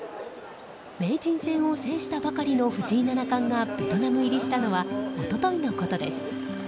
名人戦を制したばかりの藤井七冠がベトナム入りしたのは一昨日のことです。